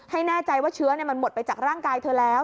แน่ใจว่าเชื้อมันหมดไปจากร่างกายเธอแล้ว